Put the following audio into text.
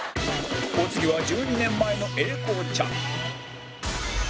お次は１２年前の英孝ちゃん